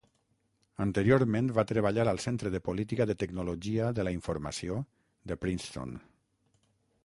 Anteriorment va treballar al Centre de Política de Tecnologia de la Informació de Princeton.